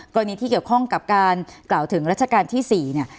กรณีที่เกี่ยวข้องกับการกล่าวถึงรัชกาลที่๔เนี่ย